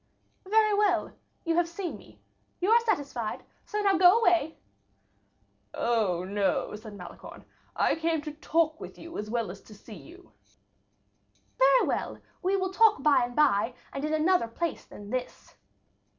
"Very well, you have seen me, you are satisfied; so now go away." "Oh, no," said Malicorne; "I came to talk with you as well as to see you." "Very well, we will talk by and by, and in another place than this."